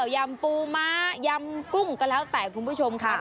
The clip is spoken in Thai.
ยำปูม้ายำกุ้งก็แล้วแต่คุณผู้ชมค่ะ